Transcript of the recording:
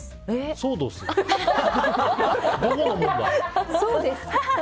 そうどす？